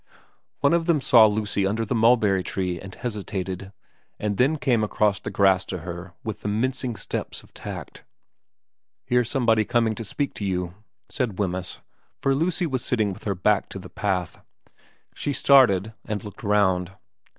One of them saw Lucy under the mulberry tree and hesitated, and then came across the grass to her with the mincing steps of tact. * Here's somebody coming to speak to you,' said n VERA 21 Wemyss, for Lucy was sitting with her back to the path. She started and looked round.